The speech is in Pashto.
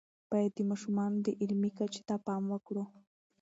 باید د ماشومانو علمی کچې ته پام وکړو.